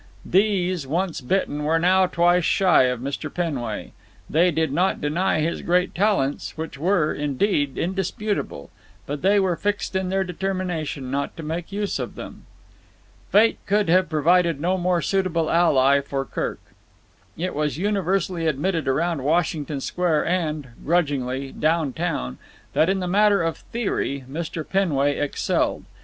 These, once bitten, were now twice shy of Mr. Penway. They did not deny his great talents, which were, indeed, indisputable; but they were fixed in their determination not to make use of them. Fate could have provided no more suitable ally for Kirk. It was universally admitted around Washington Square and—grudgingly—down town that in the matter of theory Mr. Penway excelled.